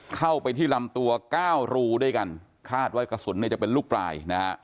เข้าไปที่ลำตัวก้าวรูด้วยกันคาดว่ากระสุนจะเป็นลูกปลาย